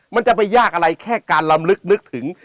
มันจะไปยากอะไรแค่การลำลึกนึกถึง